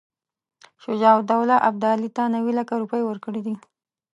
شجاع الدوله ابدالي ته نیوي لکه روپۍ ورکړي دي.